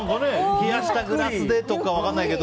冷やしたグラスでとか分からないけど。